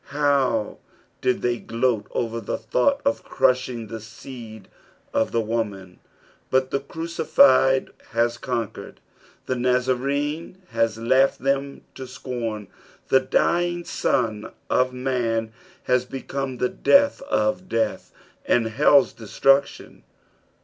Uow did they gloat over the thought of ciushiug the seed of the woman \ but the Crucified has coDquered, the Nazarcue has laughed them to scorn, the dying San of Alan has become the death of death and liell's destruc tion.